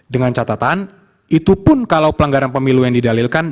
dengan catatan itu pun kalau pelanggaran pemilu yang didalilkan